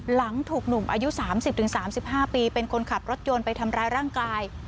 หลังถูกหนุ่มอายุ๓๐๓๕ปีเป็นคนขับรถยนต์ไปทำร้ายร่างกาย